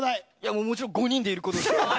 もちろん５人でいることです。